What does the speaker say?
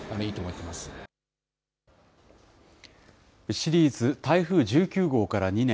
シリーズ、台風１９号から２年。